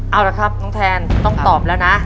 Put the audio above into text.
เอาละครับน้องแทนต้องตอบแล้วนะ